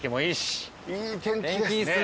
いい天気ですね。